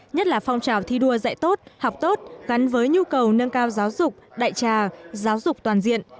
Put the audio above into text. nhất là phong trào thi đua dạy tốt học tốt gắn với nhu cầu nâng cao giáo dục đại trà giáo dục toàn diện